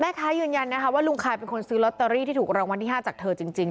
ค้ายืนยันนะคะว่าลุงคายเป็นคนซื้อลอตเตอรี่ที่ถูกรางวัลที่๕จากเธอจริง